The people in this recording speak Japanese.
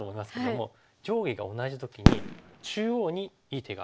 上下が同じ時に中央にいい手がある。